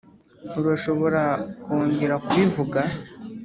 urashobora kongera kubivuga?